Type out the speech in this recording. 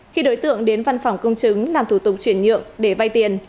khi đối tượng đến văn phòng công chứng làm thủ tục chuyển nhượng để vay tiền